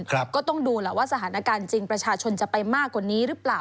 ก็ต้องดูแหละว่าสถานการณ์จริงประชาชนจะไปมากกว่านี้หรือเปล่า